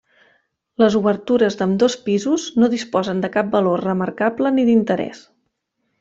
Les obertures d’ambdós pisos, no disposen de cap valor remarcable ni d’interès.